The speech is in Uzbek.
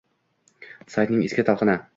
Saytning eski talqini